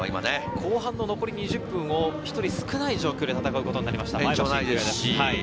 後半の残り２０分を１人少ない状況で戦うことになりました、前橋育英。